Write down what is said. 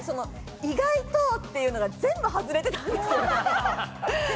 意外とっていうのが全部外れてたんですよ。